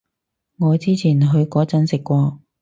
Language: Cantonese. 我之前去嗰陣食過